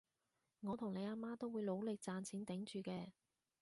我同你阿媽都會努力賺錢頂住嘅